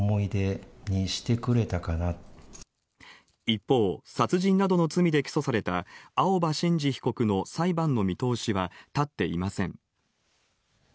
一方、殺人などの罪で起訴された青葉真司被告の裁判の見通しは立っていません。